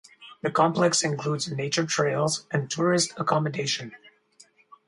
The complex includes nature trails and tourist accommodation.